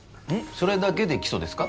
それだけで起訴ですか？